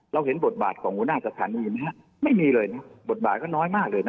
เห็นบทบาทของหัวหน้าสถานีไหมฮะไม่มีเลยนะบทบาทก็น้อยมากเลยนะ